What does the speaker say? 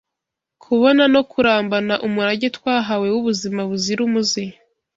kubona no kurambana umurage twahawe w’ubuzima buzira umuze